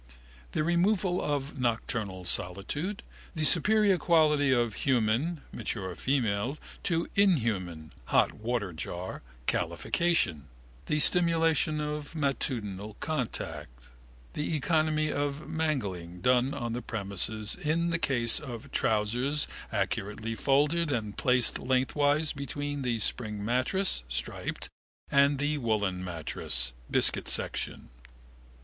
The removal of nocturnal solitude, the superior quality of human (mature female) to inhuman (hotwaterjar) calefaction, the stimulation of matutinal contact, the economy of mangling done on the premises in the case of trousers accurately folded and placed lengthwise between the spring mattress (striped) and the woollen mattress (biscuit section).